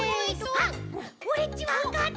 あっオレっちわかった！